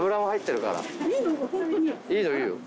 いいよいいよ。